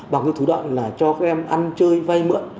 bằng cái thủ đoạn là cho các em ăn chơi vay mượn